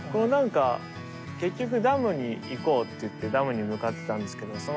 なんか結局ダムに行こうっていってダムに向かってたんですけど